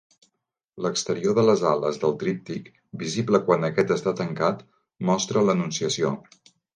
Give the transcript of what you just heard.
L'exterior de les ales del tríptic, visible quan aquest està tancat, mostra l'Anunciació.